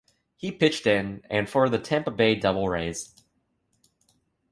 He pitched in and for the Tampa Bay Devil Rays.